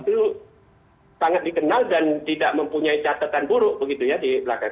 itu sangat dikenal dan tidak mempunyai catatan buruk begitu ya di belakang